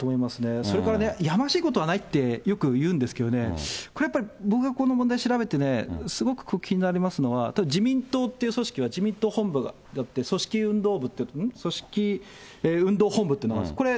それからね、やましいことはないってよく言うんですけどね、これやっぱり、僕がこの問題調べてね、すごく気になりますのは、自民党って組織は自民党本部があって、組織運動部、組織運動本部っていうのがあるんです。